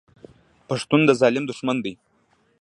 پښتون د ظالم دښمن دی.